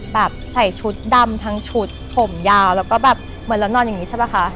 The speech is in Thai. แบบใส่ชุดดำทั้งชุดผมยาวแล้วก็แบบเหมือนเรานอนอย่างนี้ใช่ป่ะคะ